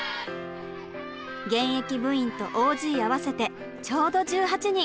現役部員とＯＧ合わせてちょうど１８人。